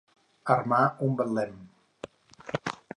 Armar un betlem.